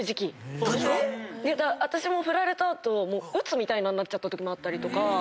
私もフラれた後鬱みたいなのになっちゃったときもあったりとか。